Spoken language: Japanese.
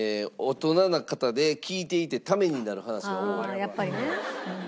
ああやっぱりね。